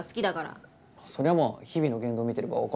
そりゃまあ日々の言動見てればわかりますけど。